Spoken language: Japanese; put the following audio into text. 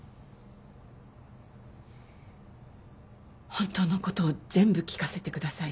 本当のことを全部聞かせてください。